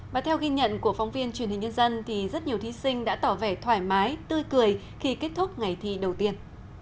và theo ghi nhận của phóng viên truyền hình nhân dân thì rất nhiều thí sinh đã tỏ vẻ thoải mái tươi cười khi kết thúc ngày thi đầu tiên